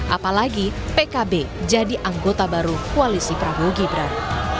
apalagi pkb jadi anggota baru koalisi prabowo gibran